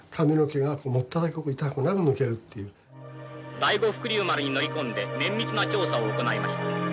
「第五福竜丸に乗り込んで綿密な調査を行いました」。